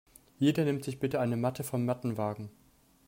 Jeder nimmt sich bitte eine Matte vom Mattenwagen.